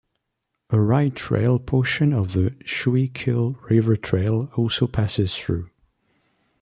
A rail trail portion of the Schuylkill River Trail also passes through.